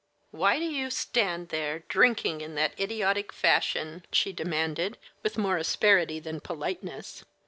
"Why do you stand there drinking in that idiotic fashion?" she demanded, with more asperity than politeness.